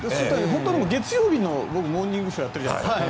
月曜日の僕、「モーニングショー」をやってるじゃないですか。